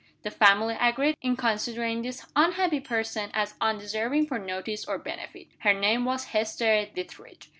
The family agreed in considering this unhappy person as undeserving of notice or benefit. Her name was Hester Dethridge.